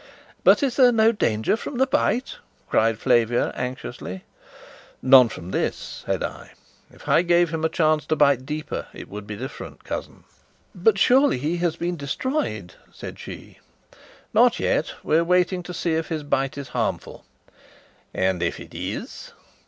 "But is there no danger from the bite?" cried Flavia anxiously. "None from this," said I. "If I gave him a chance to bite deeper, it would be different, cousin." "But surely he has been destroyed?" said she. "Not yet. We're waiting to see if his bite is harmful." "And if it is?"